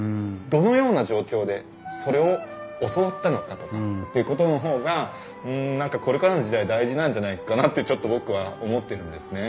どのような状況でそれを教わったのかとかっていうことの方が何かこれからの時代大事なんじゃないかなってちょっと僕は思ってるんですね。